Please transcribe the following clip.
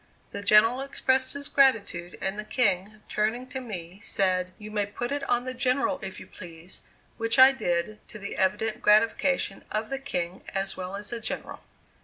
The General expressed his gratitude, and the King, turning to me, said: "you may put it on the General, if you please," which I did, to the evident gratification of the King as well as the General.